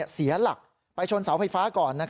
เสียหลักไปชนเสาไฟฟ้าก่อน